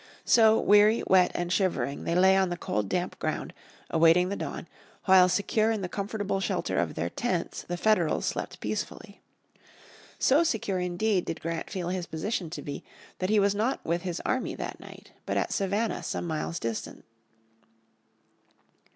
So, weary, wet, and shivering they lay on the cold damp ground, awaiting the dawn, while secure in the comfortable shelter of their tents the Federals slept peacefully. So secure indeed did Grant feel his position to be that he was not with his army that night, but at Savannah some miles distant.